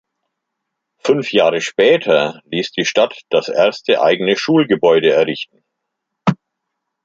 Fünf Jahre später ließ die Stadt das erste eigene Schulgebäude errichten.